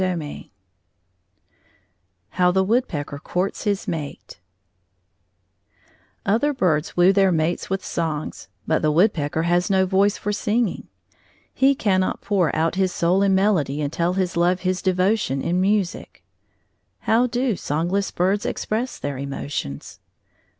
III HOW THE WOODPECKER COURTS HIS MATE Other birds woo their mates with songs, but the woodpecker has no voice for singing. He cannot pour out his soul in melody and tell his love his devotion in music. How do songless birds express their emotions?